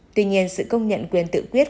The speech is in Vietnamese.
tuy nhiên sự công nhận quyền tự quyết